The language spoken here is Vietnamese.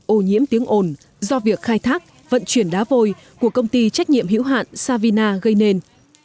ô nhiễm tiếng ồn do việc khai thác vận chuyển đá vôi của công ty trách nhiệm hữu hạn savina gây nên